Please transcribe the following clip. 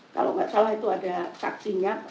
kalau nggak salah itu ada saksinya